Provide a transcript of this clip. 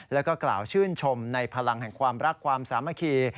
แล้วก็กล่าวชื่นชมในพลังแห่งความรักความสามัคคี